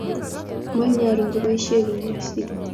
moiboru ngoboisiei kinyosit